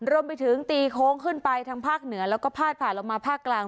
รวมไปถึงตีโค้งขึ้นไปทางภาคเหนือแล้วก็พาดผ่านลงมาภาคกลาง